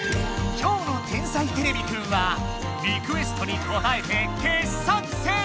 今日の「天才てれびくん」はリクエストにこたえて傑作選！